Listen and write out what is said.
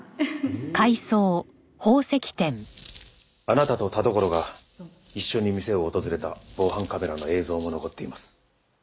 あなたと田所が一緒に店を訪れた防犯カメラの映像も残っています。